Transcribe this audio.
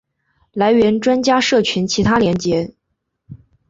来源专家社群其他连结